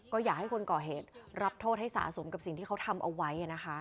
ก็อยากให้คนก่อเหตุรับโทษให้สะสมกับสิ่งที่เขาทำเอาไว้นะคะ